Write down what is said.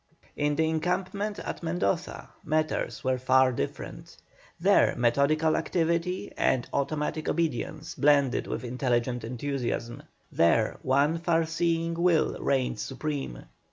In the encampment at Mendoza matters were far different; there methodical activity and automatic obedience blended with intelligent enthusiasm; there one far seeing will reigned supreme.